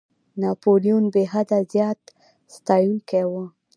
ناپولیون بېحده زیات ستایونکی وو.